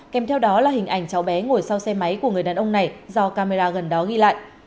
kèm theo đó là hình ảnh cháu bé ngồi sau xe máy của người đàn ông này do camera gần đó ghi lại